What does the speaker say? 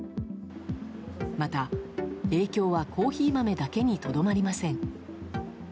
また、影響はコーヒー豆だけにとどまりません。